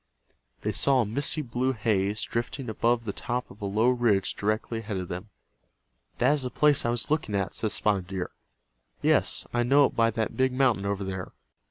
They saw a misty blue haze drifting above the top of a low ridge directly ahead of them. "That is the place I was looking at," said Spotted Deer. "Yes, I know it by that big mountain over there."